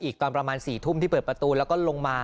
ตอนประมาณ๔ทุ่มที่เปิดประตูแล้วก็ลงมา